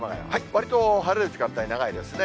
割と晴れる時間帯、長いですね。